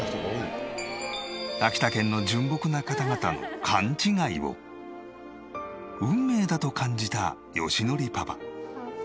秋田県の純朴な方々の勘違いを運命だと感じた義典パパ。